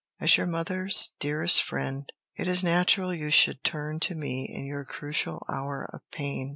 As your mother's nearest friend, it is natural you should turn to me in your crucial hour of pain.